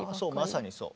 まさにそう。